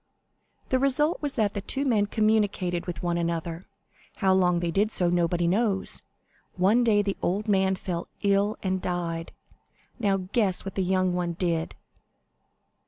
"The result was that the two men communicated with one another; how long they did so, nobody knows. One day the old man fell ill and died. Now guess what the young one did?"